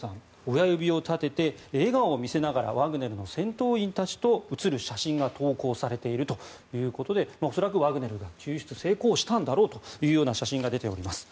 親指を立てて笑顔を見せながらワグネルの戦闘員たちと写る写真が投稿されているということで恐らくワグネルは救出成功したんだろうという写真が出ております。